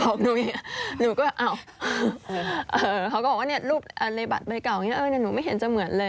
เรื่องนี้ของเขาก็แบบอ่าวเขาก็บอกว่าเนี่ยลูกในบัตรใบเก่าอย่างนี้อื้อหนูไม่เห็นจะเหมือนเลย